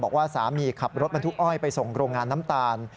บอกว่าสามีขับรถบรรทุกอ้อยไปส่งโรงงานน้ำตาล